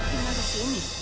tinggal di sini